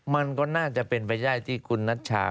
มันก็น่าจะเป็นไปได้ที่คุณนัชชา